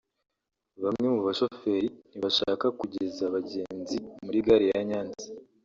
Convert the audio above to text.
Bamwe mu bashoferi ntibashaka kugeza abagenzi muri gare ya Nyanza